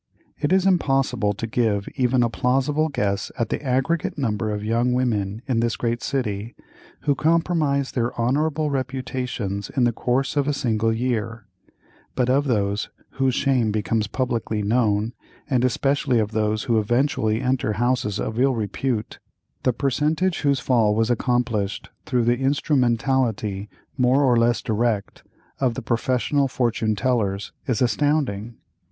It is impossible to give even a plausible guess at the aggregate number of young women, in this great city, who compromise their honorable reputations in the course of a single year; but of those whose shame becomes publicly known, and especially of those who eventually enter houses of ill repute, the percentage whose fall was accomplished through the instrumentality, more or less direct, of the professional fortune tellers, is astounding.